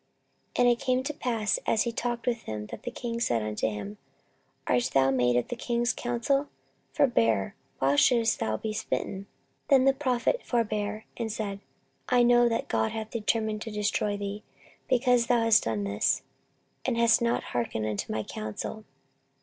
14:025:016 And it came to pass, as he talked with him, that the king said unto him, Art thou made of the king's counsel? forbear; why shouldest thou be smitten? Then the prophet forbare, and said, I know that God hath determined to destroy thee, because thou hast done this, and hast not hearkened unto my counsel.